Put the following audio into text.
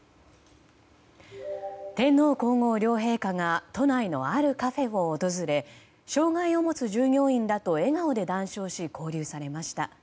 天皇・皇后両陛下が都内のあるカフェを訪れ障害を持つ従業員らと笑顔で談笑し交流されました。